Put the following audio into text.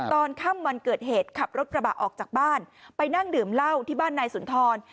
ตอนค่ำวันเกิดเหตุขับรถกระบะออกจากบ้านไปนั่งดื่มเหล้าที่บ้านนายสุนทร